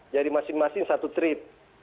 jadi masing masing satu trip